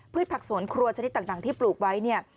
ผักสวนครัวชนิดต่างที่ปลูกไว้เนี่ย